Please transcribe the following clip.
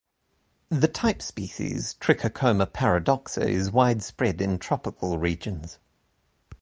The type species, Trichocoma paradoxa, is widespread in tropical regions.